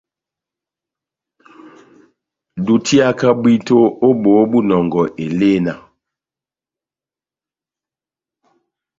Dutiaka bwito ó boho bwa inɔngɔ elena.